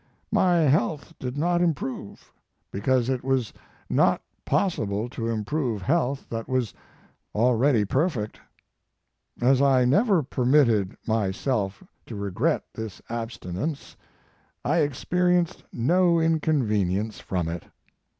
My health did not improve, because it was not possible tc improve health that was already perfect. As I never permitted myself to regret this ab stinence, I experienced no inconvenience from it.